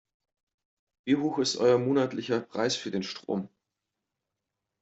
Wie hoch ist euer monatlicher Preis für den Strom?